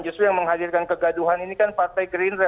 justru yang menghadirkan kegaduhan ini kan partai gerindra